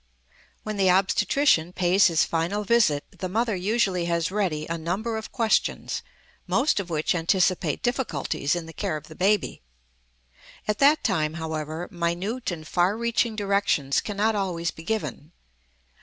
When the obstetrician pays his final visit the mother usually has ready a number of questions, most of which anticipate difficulties in the care of the baby. At that time, however, minute and far reaching directions cannot always be given.